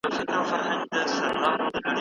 مرغۍ به بیا کله په ونې کې کېني؟